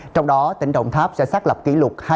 trong đó tỉnh đồng tháp sẽ xác lập kỷ lục